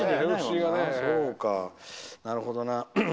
なるほどな。